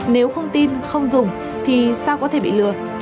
nếu không tin không dùng thì sao có thể bị lừa